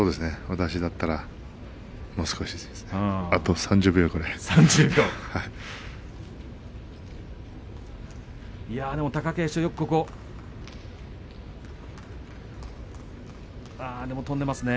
私だったらあと３０秒ぐらいですね。